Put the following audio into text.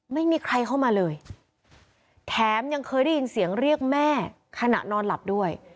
ไม่มีใครเข้ามาเลยแถมยังเคยได้ยินเสียงเรียกแม่ขณะนอนหลับด้วย